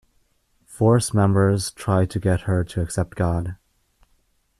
Force members try to get her to accept God.